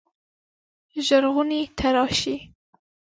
ژغورني ته راشي.